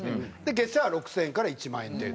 月謝は６０００円から１万円程度。